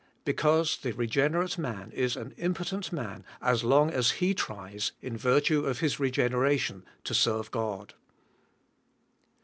Because the reg'enerate man is an impotent man as long as he tries, in virtue of his reg'eneration, to serve God.